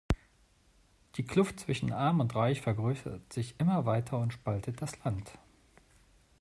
Die Kluft zwischen arm und reich vergrößert sich immer weiter und spaltet das Land.